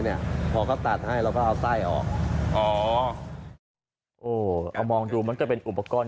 เอามองดูมันก็เป็นอุปกรณ์